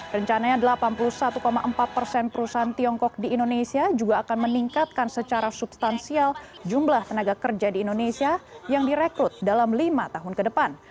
rencananya delapan puluh satu empat persen perusahaan tiongkok di indonesia juga akan meningkatkan secara substansial jumlah tenaga kerja di indonesia yang direkrut dalam lima tahun ke depan